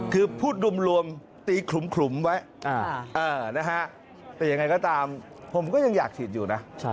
คือพูดรวมตีขลุมไว้แต่ยังไงก็ตามผมก็ยังอยากฉีดอยู่นะ